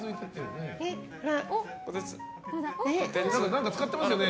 何か使ってますよね？